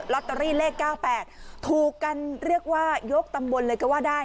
ตเตอรี่เลข๙๘ถูกกันเรียกว่ายกตำบลเลยก็ว่าได้